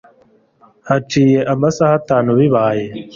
Haciye amasaha atanu bibaye